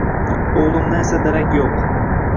O`g`limdan esa darak yo`q